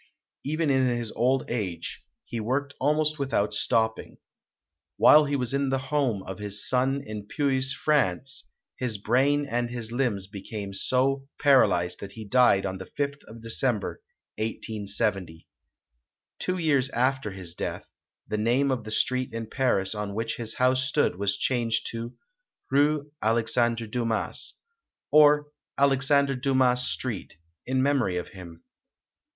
Even in his old age, he worked almost without stopping. While he was in the home of his son in Puys, France, his brain and his limbs became so paralyzed that he died on the fifth of December, 1870. Two years after his death, the name of the street in Paris on which his house stood was changed to "Rue Alexandre Dumas", or Alex ander Dumas Street, in memory of him.